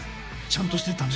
ちゃんとしてた。